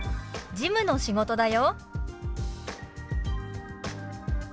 「事務の仕事だよ」。